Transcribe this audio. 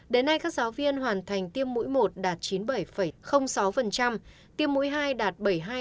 đến nay các giáo viên hoàn thành tiêm mũi một đạt chín mươi bảy sáu tiêm mũi hai đạt bảy mươi hai